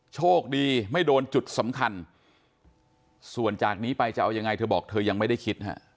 โชคดีไม่โดนจุดสำคัญส่วนจากนี้ไปจะเอายังไงเธอบอกเธอยังไม่ได้คิดฮะ